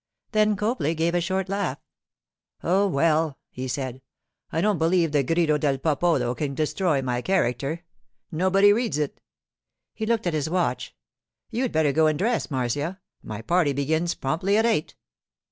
Then Copley gave a short laugh. 'Oh, well,' he said, 'I don't believe the Grido del Popolo can destroy my character. Nobody reads it.' He looked at his watch. 'You'd better go and dress, Marcia. My party begins promptly at eight.